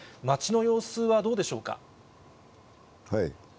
街の様子はどうでしょうか。